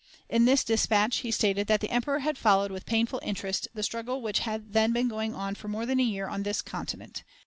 In this dispatch he stated that the Emperor had followed with painful interest the struggle which had then been going on for more than a year on this continent.